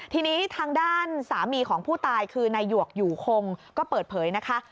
ทีนี้ทางด้านสามีของผู้ตายคือนายหวกอยู่คงก็เปิดเผยนะคะ